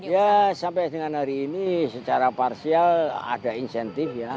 ya sampai dengan hari ini secara parsial ada insentif ya